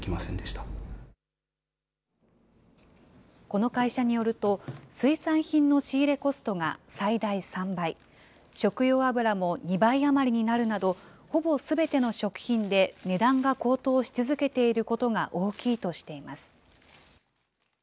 この会社によると、水産品の仕入れコストが最大３倍、食用油も２倍余りになるなど、ほぼすべての食品で値段が高騰し続けていることが大きいとしています。